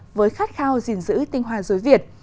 với khát khao gìn giữ tinh hoa dối việt